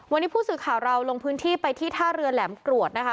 วันนี้ผู้สื่อข่าวเราลงพื้นที่ไปที่ท่าเรือแหลมกรวดนะคะ